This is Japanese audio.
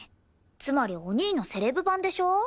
つまりお兄のセレブ版でしょ？